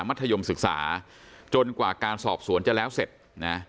มัธยมศึกษาจนกว่าการสอบสวนจะแล้วเสร็จนะ